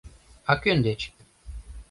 — А кӧн деч?